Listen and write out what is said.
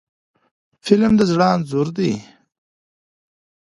فلم د زړه انځور دی